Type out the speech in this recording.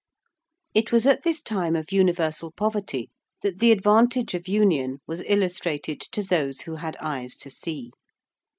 '_)] It was at this time of universal poverty that the advantages of union was illustrated to those who had eyes to see.